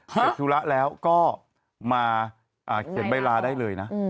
เสร็จธุระแล้วก็มาเขียนใบลาได้เลยนะ